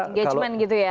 engagement gitu ya